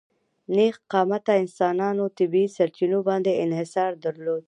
نېغ قامته انسانانو طبیعي سرچینو باندې انحصار درلود.